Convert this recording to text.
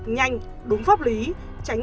nhanh đúng pháp lý tránh